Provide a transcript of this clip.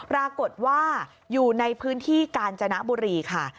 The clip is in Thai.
ปรากฏว่าอยู่ในพื้นที่กาญจนบุรีค่ะ